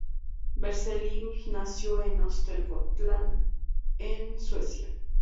Berzelius nació en Östergötland, en Suecia.